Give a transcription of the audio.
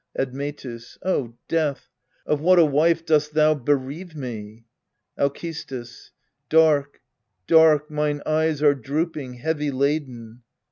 Admetus. O Death, of what a wife dost thou bereave me ! Alcestis. Dark dark mine eyes are drooping, heavy laden.